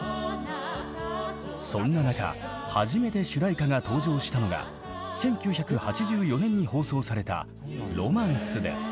そんな中初めて主題歌が登場したのが１９８４年に放送された「ロマンス」です。